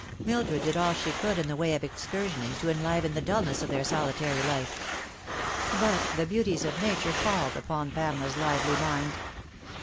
Mildred did all she could in the way of excursionising to enliven the dulness of their solitary life ; but the beauties of Nature palled upon Pamela's lively mind.